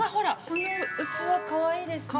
◆この器、かわいいですね。